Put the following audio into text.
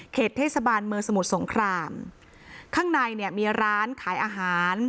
เทศบาลเมืองสมุทรสงครามข้างในเนี่ยมีร้านขายอาหาร